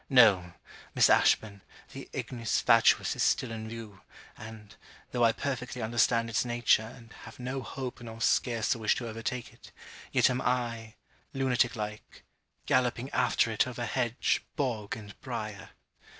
No: Miss Ashburn, the ignis fatuus is still in view; and, though I perfectly understand its nature and have no hope nor scarce a wish to overtake it, yet am I, lunatic like, galloping after it over hedge, bog, and briar.